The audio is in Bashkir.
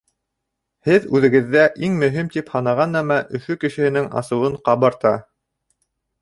Һеҙ үҙегеҙҙә иң мөһим тип һанаған нәмә Өфө кешеһенең асыуын ҡабарта.